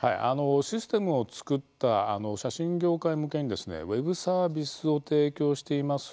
システムを作った写真業界向けにウェブサービスを提供しています